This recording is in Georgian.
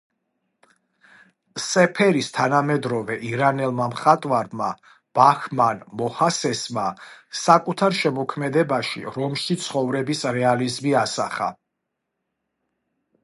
სეფერის თანამედროვე ირანელმა მხატვარმა – ბაჰმან მოჰასესმა საკუთარ შემოქმედებაში რომში ცხოვრების რეალიზმი ასახა.